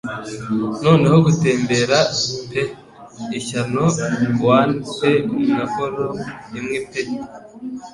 Noneho gutembera pe ishyano wan pe nka forlorn imwe pe